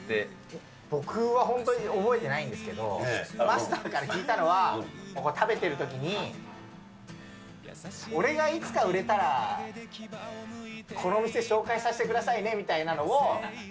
僕は本当に覚えてないんですけど、マスターから聞いたのは、ここ、食べてるときに、俺がいつか売れたら、この店、紹介させてくださいねみたいなのを。